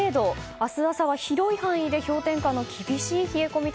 明日朝は広い範囲で氷点下の厳しい冷え込みと